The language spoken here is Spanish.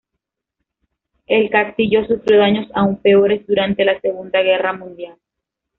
El castillo sufrió daños aún peores durante la Primera Guerra Mundial.